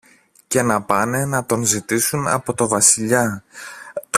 και να πάνε να τον ζητήσουν από το Βασιλιά.